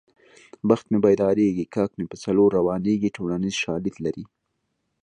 بخت مې پیدارېږي کاک مې په څلور روانېږي ټولنیز شالید لري